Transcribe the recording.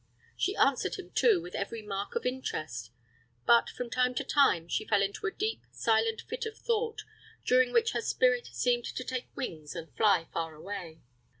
She answered him, too, with every mark of interest; but, from time to time, she fell into a deep, silent fit of thought, during which her spirit seemed to take wings and fly far away.